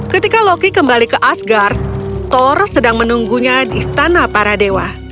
ketika loki kembali ke asgard thor sedang menunggunya di istana para dewa